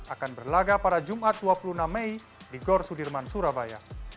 akan berlaga pada jumat dua puluh enam mei di gor sudirman surabaya